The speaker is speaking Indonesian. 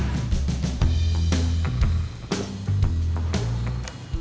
es campur satu lagi